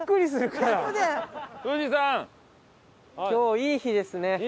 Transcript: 今日いい日ですね。